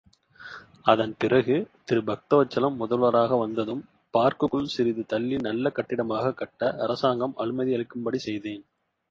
அதன் பிறகு திருபக்தவத்சலம் முதல்வராக வந்ததும் பார்க்குக்குள் சிறிது தள்ளி நல்ல கட்டிடமாகக் கட்ட அரசாங்கம் அனுமதியளிக்கும்படி செய்தேன்.